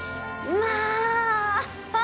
まあ！